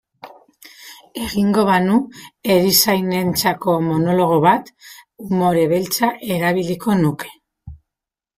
Egingo banu erizainentzako monologo bat, umore beltza erabiliko nuke.